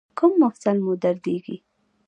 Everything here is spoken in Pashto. کوم مفصل مو دردیږي؟